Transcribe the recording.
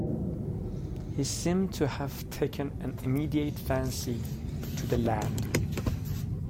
He seemed to have taken an immediate fancy to the lad.